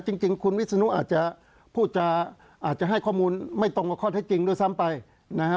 จริงคุณวิศนุอาจจะพูดจะอาจจะให้ข้อมูลไม่ตรงกับข้อเท็จจริงด้วยซ้ำไปนะฮะ